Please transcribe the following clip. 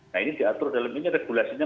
nah ini diatur dalam ini regulasinya